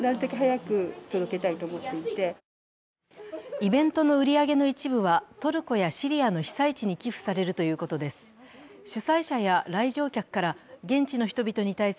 イベントの売り上げの一部はトルコやシリアの被災地に寄付されるということです。